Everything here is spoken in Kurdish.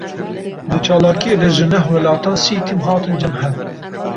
Di çalakiyê de ji neh welatan sî tîm hatin cem hev.